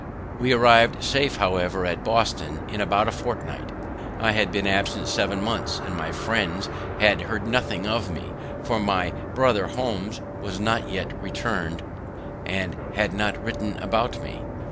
We arriv'd safe, however, at Boston in about a fortnight. I had been absent seven months, and my friends had heard nothing of me; for my br. Holmes was not yet return'd, and had not written about me.